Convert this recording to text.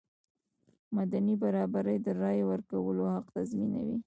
مدني برابري د رایې ورکولو حق تضمینوي.